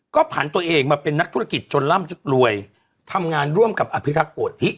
ก็ผ่านตัวเองมาเป็นนักธุรกิจจนร่ำรวยทำงานร่วมกับอภิรักษ์โกธิ